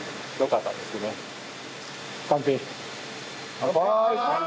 乾杯！